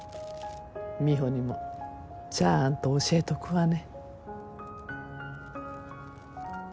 美帆にもちゃーんと教えとくわね。